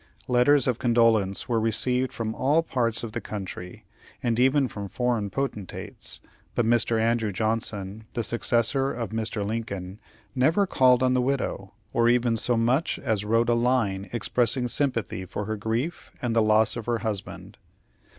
Letters of condolence were received from all parts of the country, and even from foreign potentates, but Mr. Andrew Johnson, the successor of Mr. Lincoln, never called on the widow, or even so much as wrote a line expressing sympathy for her grief and the loss of her husband.